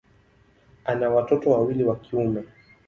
Ana watoto wawili wa kiume.